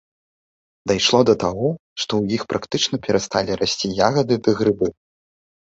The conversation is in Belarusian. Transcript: Дайшло да таго, што ў іх практычна перасталі расці ягады ды грыбы.